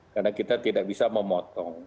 karena kita tidak bisa memotong